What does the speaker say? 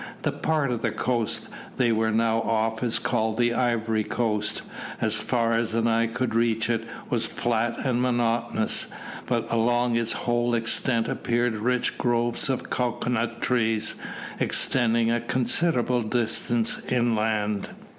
The part of the coast they were now off is called the Ivory Coast. As far as the eye could reach it was flat and monotonous, but along its whole extent appeared rich groves of cocoa nut trees, extending a considerable distance inland.